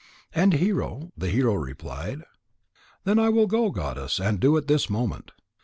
And Hero, the hero, replied: "Then I will go, Goddess, and do it this moment."